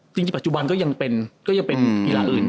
จริงปัจจุบันก็ยังเป็นกีฬาอื่น